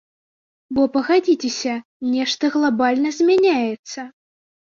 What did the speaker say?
Бо, пагадзіцеся, нешта глабальна змяняецца.